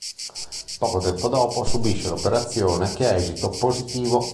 Poco tempo dopo subisce l'operazione, che ha esito positivo.